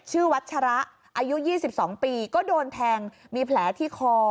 ชื่อวัชชาระอายุยี่สิบสองปีก็โดนแทงมีแผลที่คอ